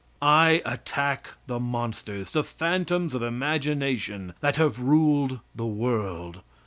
I attack the monsters, the phantoms of imagination that have ruled the world.